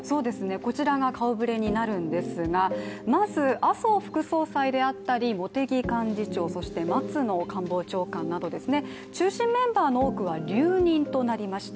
こちらが顔ぶれになるんですが、まず麻生副総裁であったり茂木幹事長そして松野官房長官など、中心メンバーの多くは留任となりました。